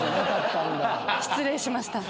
失礼しました。